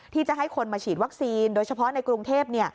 ที่จะให้คนมาฉีดวัคซีนโดยเฉพาะในกรุงเทพ